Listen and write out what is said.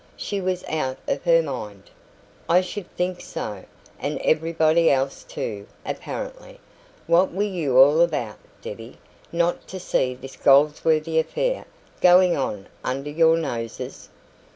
She was out of her mind." "I should think so and everybody else too, apparently. What were you all about, Debbie, not to see this Goldsworthy affair going on under your noses?"